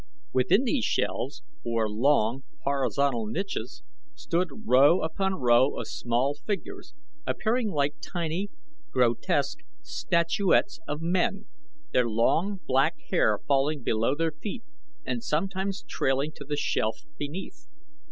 Within these shelves, or long, horizontal niches, stood row upon row of small figures, appearing like tiny, grotesque statuettes of men, their long, black hair falling below their feet and sometimes trailing to the shelf beneath.